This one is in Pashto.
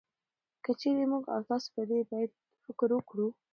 که چېرې موږ او تاسو په دې بيت فکر وکړو